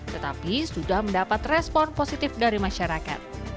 tetapi sudah mendapat respon positif dari masyarakat